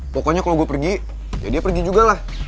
pokoknya kalau gue pergi ya dia pergi juga lah